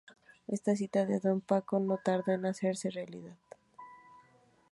Esta cita de don Paco no tardó en hacerse realidad.